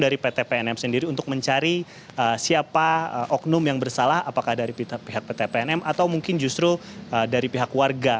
dari pt pnm sendiri untuk mencari siapa oknum yang bersalah apakah dari pihak pt pnm atau mungkin justru dari pihak warga